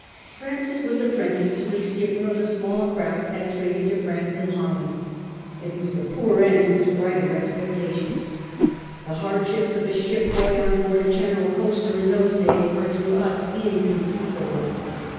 Francis was appren ticed to the skipper of a small craft that traded to France and Holland. It was a poor end to his brighter expectations. The hardships of a ship boy on board a Channel coaster in those days are to us inconceivable.